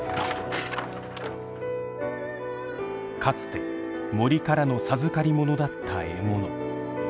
かつて森からの授かりものだった獲物。